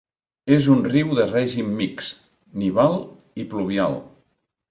És un riu de règim mixt, nival i pluvial.